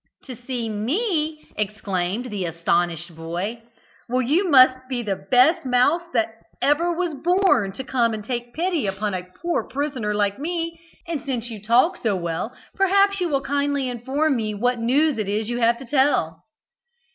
"To see me!" exclaimed the astonished boy. "Well, you must be the best mouse that ever was born to come and take pity upon a poor prisoner like me. And since you can talk so well, perhaps you will kindly inform me what news it is you have to tell."